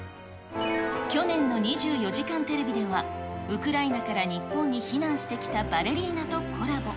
去年の２４時間テレビでは、ウクライナから日本に避難してきたバレリーナとコラボ。